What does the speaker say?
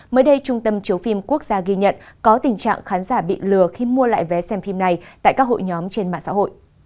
mới đây trung tâm chiếu phim quốc gia ghi nhận có tình trạng khán giả bị lừa khi mua lại vé xem phim này tại các hội nhóm trên mạng xã hội